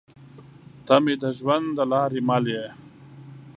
تۀ مې د ژوند د لارې مل يې